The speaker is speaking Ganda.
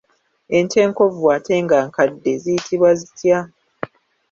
Ente enkovvu ate nga nkadde ziyitibwa zitya?